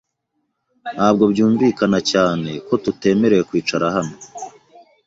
Ntabwo byumvikana cyane ko tutemerewe kwicara hano.